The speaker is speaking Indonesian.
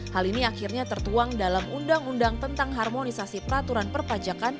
hal ini akhirnya tertuang dalam undang undang tentang harmonisasi peraturan perpajakan